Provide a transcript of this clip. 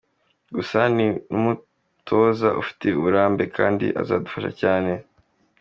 Gusa ni n’umutoza ufite uburambe kandi azadufasha cyane.